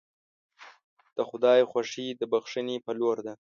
د خدای خوښي د بښنې په لور ده.